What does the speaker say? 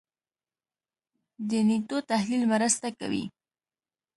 دې نېټو تحلیل مرسته کوي.